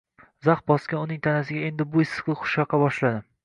Zax bosgan uning tanasiga endi bu issiqlik xush yoqa boshladi.